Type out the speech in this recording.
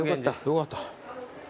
よかった。